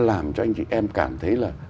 làm cho anh chị em cảm thấy là